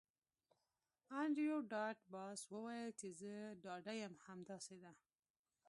انډریو ډاټ باس وویل چې زه ډاډه یم همداسې ده